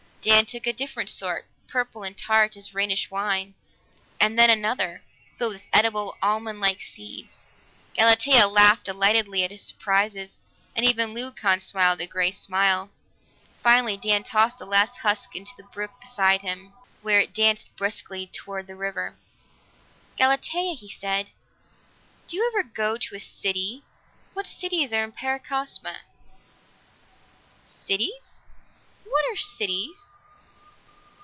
Dan took a different sort, purple and tart as Rhenish wine, and then another, filled with edible, almond like seeds. Galatea laughed delightedly at his surprises, and even Leucon smiled a grey smile. Finally Dan tossed the last husk into the brook beside them, where it danced briskly toward the river. "Galatea," he said, "do you ever go to a city? What cities are in Paracosma?" "Cities? What are cities?"